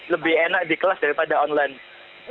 lebih enak di kelas daripada online